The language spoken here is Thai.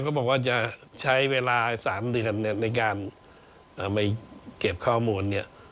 เขาบอกว่าจะใช้เวลา๓เดือนในการเก็บข้อมูล